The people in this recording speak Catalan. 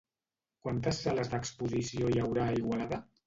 Quantes sales d'exposició hi haurà a Igualada?